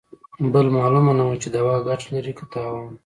بل مالومه نه وه چې دوا ګته لري که تاوان.